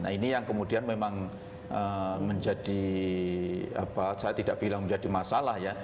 nah ini yang kemudian memang menjadi apa saya tidak bilang menjadi masalah ya